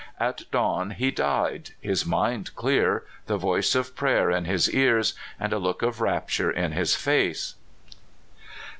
At dawn he died, his mind clear, the voice of prayer in his ears, and a look of rapture in his face.